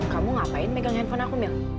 kamu ngapain megang handphone aku mil